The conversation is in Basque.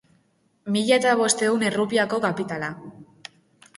Mila eta bostehun errupiako kapitala.